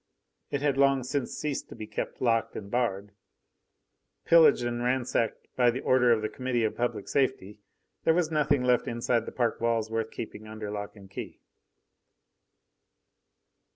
It had long since ceased to be kept locked and barred. Pillaged and ransacked by order of the Committee of Public Safety, there was nothing left inside the park walls worth keeping under lock and key.